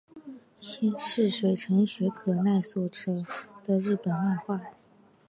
是水城雪可奈所着的日本漫画。